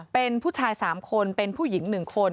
เป็นผู้ชาย๓คนเป็นผู้หญิง๑คน